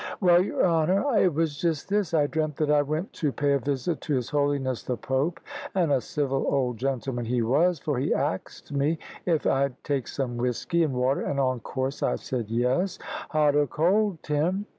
"`Well, your honour, it was just this. I dreamt that I went to pay a visit to his holiness the Pope, and a civil old gentleman he was, for he axed me if I'd take some whisky and water, and on course I said yes. "Hot or cold, Tim?"